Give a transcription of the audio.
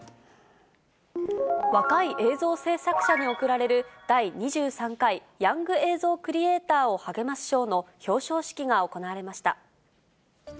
若い映像制作者に贈られる第２３回ヤング映像クリエイターを励ます賞の表彰式が行われました。